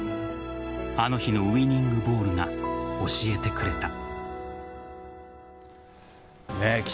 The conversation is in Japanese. あの日のウイニングボールが教えてくれた。